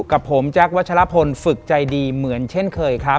กับผมแจ๊ควัชลพลฝึกใจดีเหมือนเช่นเคยครับ